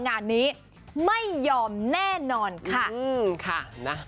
งานนี้ไม่ยอมแน่นอนค่ะนะ